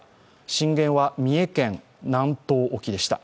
震源は三重県南東沖でした。